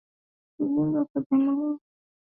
kujiunga kwa jamuhuri ya kidemokrasia ya Kongo